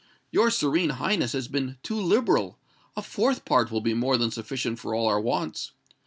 Your Serene Highness has been too liberal:—a fourth part will be more than sufficient for all our wants.